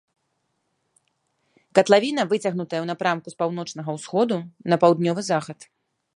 Катлавіна выцягнутая ў напрамку з паўночнага ўсходу на паўднёвы захад.